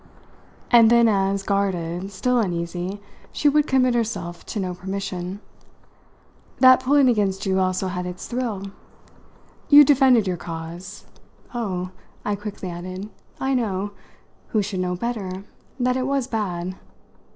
And then as, guarded, still uneasy, she would commit herself to no permission: "That pulling against you also had its thrill. You defended your cause. Oh," I quickly added, "I know who should know better? that it was bad.